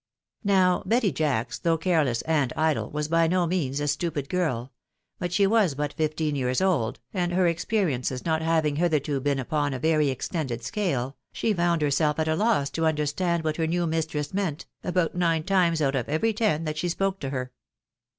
Now Betty Jacks, though careless and idle, was by no means a stupid girl ; but she was but fifteen years old, and her experiences not having hitherto been upon a very extended scale, she found herself at a loss to understand what her .new mistress meant, about nine times out of every ten that she spoke to her.